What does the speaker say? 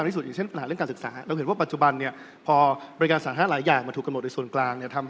มีการกระจายโงกับมาลแล้วมีการแก้กฎหมาย